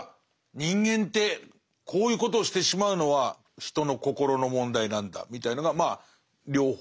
人間ってこういうことをしてしまうのは人の心の問題なんだみたいのがまあ両方流れてる。